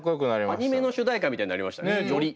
アニメの主題歌みたいになりましたねより。